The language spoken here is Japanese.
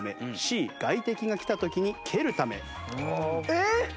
えっ！？